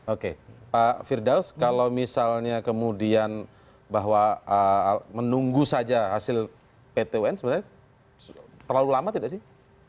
oke pak firdaus kalau misalnya kemudian bahwa menunggu saja hasil pt un sebenarnya terlalu lama tidak sih